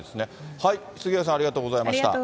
はい、杉上さん、ありがとうございました。